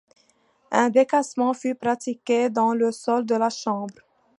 Un décaissement fut pratiqué dans le sol de la chambre.